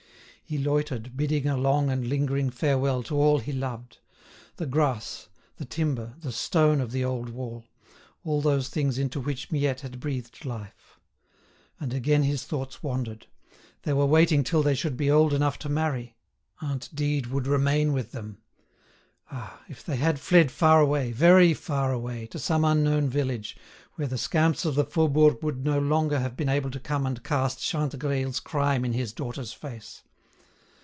He loitered, bidding a long and lingering farewell to all he loved; the grass, the timber, the stone of the old wall, all those things into which Miette had breathed life. And again his thoughts wandered. They were waiting till they should be old enough to marry: Aunt Dide would remain with them. Ah! if they had fled far away, very far away, to some unknown village, where the scamps of the Faubourg would no longer have been able to come and cast Chantegreil's crime in his daughter's face.